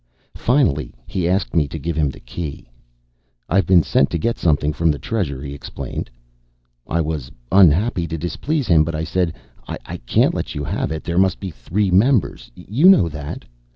Finally, he asked me to give him the Key. "I've been sent to get something from the Treasure," he explained. I was unhappy to displease him, but I said, "I can't let you have it. There must be three members. You know that."